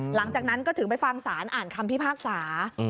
หลังจากนั้นก็ถึงไปฟังศาลอ่านคำพิพากษา